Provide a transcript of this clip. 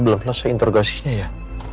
belum selesai interogasinya ya